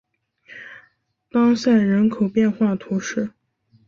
当塞人口变化图示